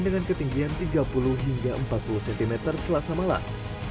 dengan ketinggian tiga puluh hingga empat puluh cm selasa malam